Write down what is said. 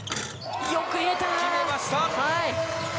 よく入れた！